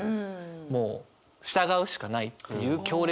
もう従うしかないっていう強烈な。